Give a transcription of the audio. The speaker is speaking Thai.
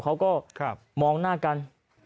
เขาก็มองหน้ากัน